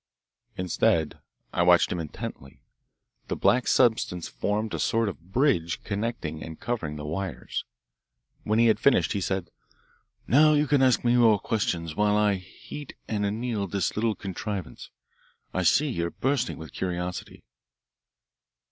Instead I watched him intently. The black substance formed a sort of bridge connecting and covering the wires. When he had finished he said: "Now you can ask me your questions, while I heat and anneal this little contrivance. I see you are bursting with curiosity."